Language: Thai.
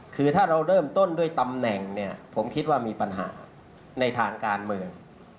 คือถ้าเราเริ่มต้นด้วยตำแหน่งเนี่ยผมคิดว่ามีปัญหาในทางการเมือง